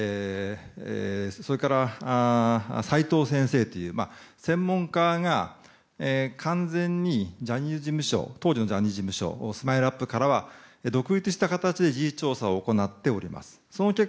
それから齋藤先生という専門家が完全に当時のジャニーズ事務所ＳＭＩＬＥ‐ＵＰ．からは独立した形で事実上調査を行っております。